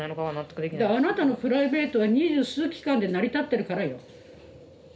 だからあなたのプライベートは二十数機関で成り立ってるからよ。